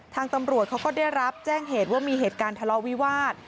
ทางตำรวจเขาก็ได้รับแจ้งเหตุว่ามีเหตุการณ์ทะเลาะวิวาส